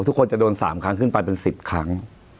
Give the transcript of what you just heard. ทุกคนจะโดน๓ครั้งขึ้นไปเป็น๑๐ครั้ง